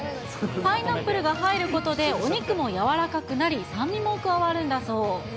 パイナップルが入ることで、お肉も柔らかくなり、酸味も加わるんだそう。